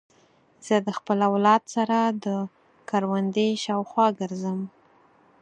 زه د خپل اولاد سره د کوروندې شاوخوا ګرځم.